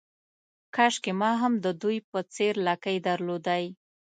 کاشکې ما هم د دوی په څېر لکۍ درلودای.